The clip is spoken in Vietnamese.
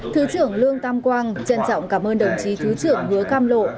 thứ trưởng lương tam quang trân trọng cảm ơn đồng chí thứ trưởng hứa cam lộ